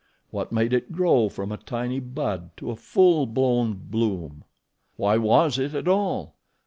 What made it grow from a tiny bud to a full blown bloom? Why was it at all?